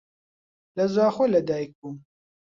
لە زاخۆ لەدایک بووم.